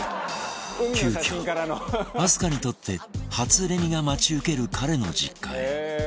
急遽明日香にとって初レミが待ち受ける彼の実家へ